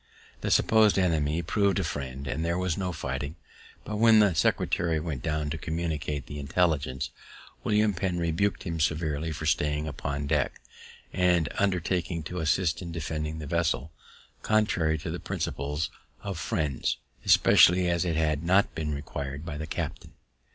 The suppos'd enemy prov'd a friend, so there was no fighting; but when the secretary went down to communicate the intelligence, William Penn rebuk'd him severely for staying upon deck, and undertaking to assist in defending the vessel, contrary to the principles of Friends, especially as it had not been required by the captain.